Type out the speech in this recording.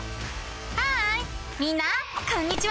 ハーイみんなこんにちは！